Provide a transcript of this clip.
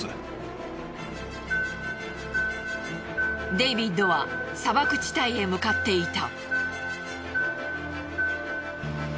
デイビッドは砂漠地帯へ向かっていた。